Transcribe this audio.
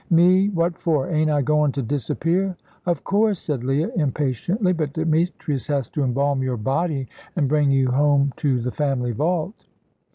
"Me? What for? Ain't I goin' to disappear?" "Of course," said Leah, impatiently; "but Demetrius has to embalm your body and bring you home to the family vault."